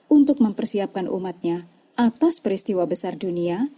untuk mempersiapkan umatnya atas peristiwa besar dunia